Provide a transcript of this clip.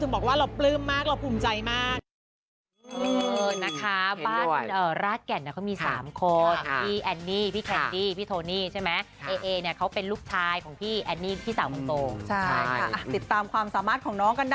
บอกว่าเราปลื้มมากเราภูมิใจมาก